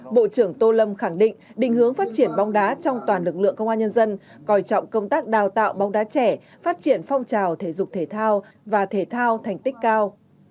bộ trưởng tô lâm khẳng định định hướng phát triển bóng đá trong toàn lực lượng công an nhân dân coi trọng công tác đào tạo bóng đá trẻ phát triển phong trào thể dục thể thao và thể thao thành tích cao